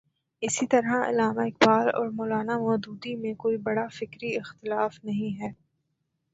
اسی طرح علامہ اقبال اور مو لا نا مو دودی میں کوئی بڑا فکری اختلاف نہیں ہے۔